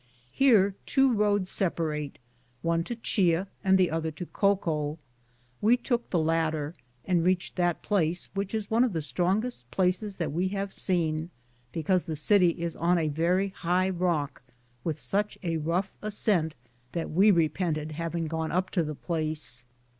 Here two roads sepa rate, one to Chia and the other to Coco; we took this latter, and reached that place, which is one of the strongest places that we have Been, because the city is on a very high rock, with such a rough ascent that we re pented having gone up to the place.